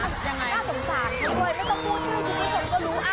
ยังไงสงสัยไม่ต้องพูดชื่อทุกคนก็รู้